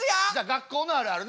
学校のあるある。